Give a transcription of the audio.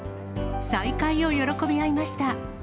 再会を喜び合いました。